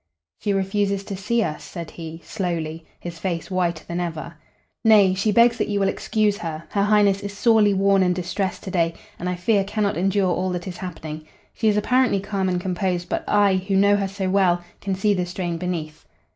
"She refuses to see us," said he, slowly, his face whiter than ever. "Nay; she begs that you will excuses her. Her Highness is sorely worn and distressed today, and I fear cannot endure all that is happening. She is apparently calm and composed, but I, who know her so well, can see the strain beneath."